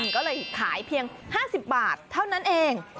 ก็เลยขายเพียง๕๐บาทเท่านั้นเอง